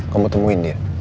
kamu temuin dia